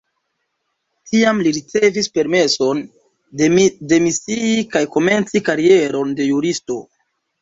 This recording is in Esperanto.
Tiam li ricevis permeson demisii kaj komenci karieron de juristo.